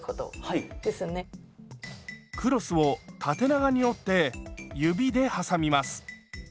クロスを縦長に折って指で挟みます。